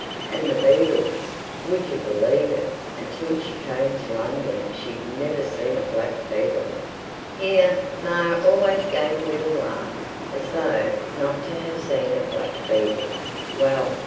And the beedles! Would you believe it?—until she came to London she'd never seen a black beedle. Here Ma always gave a little laugh, as though—not to have seen a black beedle! Well!